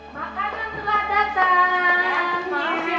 makanan telah datang